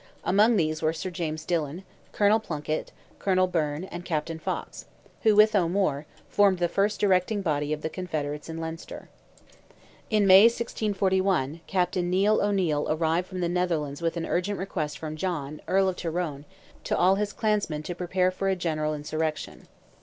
Among these were Sir James Dillon, Colonel Plunkett, Colonel Byrne, and Captain Fox, who, with O'Moore, formed the first directing body of the Confederates in Leinster. In May, 1641, Captain Neil O'Neil arrived from the Netherlands with an urgent request from John, Earl of Tyrone, to all his clansmen to prepare for a general insurrection.